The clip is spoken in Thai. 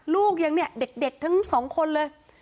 ลูกยังเนี่ยเด็กทั้งสองคนเลย